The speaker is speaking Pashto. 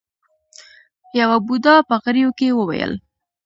يوه بوډا په غريو کې وويل.